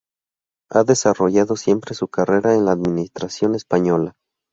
Ha desarrollado siempre su carrera en la Administración española.